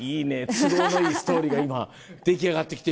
都合のいいストーリーが今出来上がってきてるよ。